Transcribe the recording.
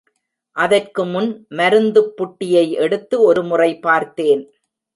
அதற்கு முன் மருந்துப்புட்டியை எடுத்து ஒருமுறை பார்த்தேன்.